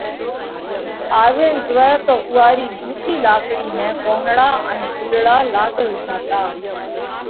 آوينَ زوئه تو اُوئا رِي ۿُوڪِي لاڪڙِي ۾ پونَڙا ان ڦُولڙا لاڳل هتا.